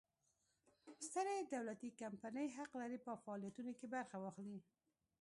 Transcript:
سترې دولتي کمپنۍ حق لري په فعالیتونو کې برخه واخلي.